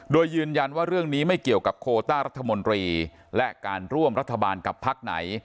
โดยยืนยันว่าเรื่องนี้ไม่เกี่ยวกับโคต้ารัฐมนตรีและการร่วมรัฐบาลกับพักไหน